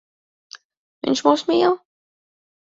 Viņš mūs mīl.